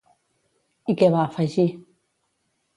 I què va afegir?